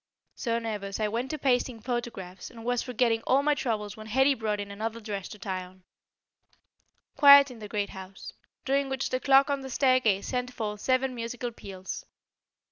So nervous, I went to pasting photographs, and was forgetting all my troubles when Hetty brought in another dress to try on. Quiet in the great house, during which the clock on the staircase sent forth seven musical peals.